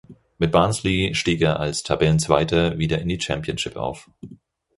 Mit Barnsley stieg er als Tabellenzweiter wieder in die Championship auf.